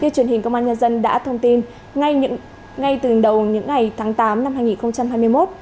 như truyền hình công an nhân dân đã thông tin ngay từ đầu những ngày tháng tám năm hai nghìn hai mươi một